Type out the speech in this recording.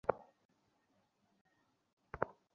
দাঁড়াও, ড্যানি।